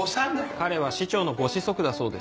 彼は市長のご子息だそうです。